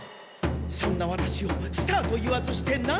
そんなワタシをスターと言わずしてなんと言う。